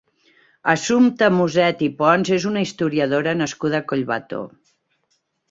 Assumpta Muset i Pons és una historiadora nascuda a Collbató.